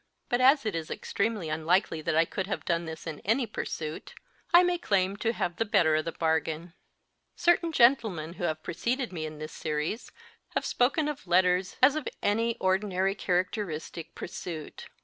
But as it is extremely unlikely that I could have done this in any pursuit, I may claim to have the better of the bargain. Certain gentlemen who have preceded me in this series have spoken of letters as of any ordinary characteristic pursuit.